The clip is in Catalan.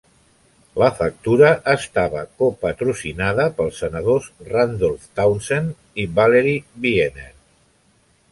La factura estava copatrocinada pels senadors Randolph Townsend i Valerie Wiener.